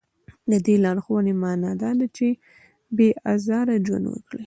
د دې لارښوونې معنا دا ده چې بې ازاره ژوند وکړي.